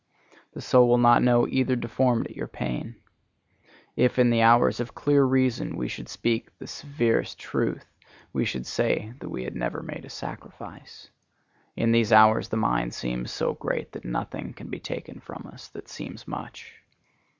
The soul will not know either deformity or pain. If in the hours of clear reason we should speak the severest truth, we should say that we had never made a sacrifice. In these hours the mind seems so great that nothing can be taken from us that seems much.